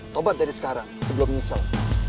tobat dari sekarang sebelum nyesel